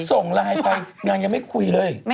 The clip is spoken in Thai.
ส่งไลน์ไปนางยังไม่คุยเลย